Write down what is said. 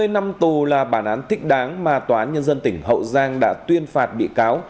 hai mươi năm tù là bản án thích đáng mà tòa án nhân dân tỉnh hậu giang đã tuyên phạt bị cáo